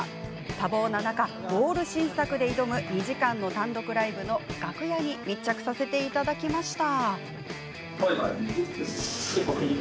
多忙な中、オール新作で挑む２時間の単独ライブの楽屋に密着させていただきました。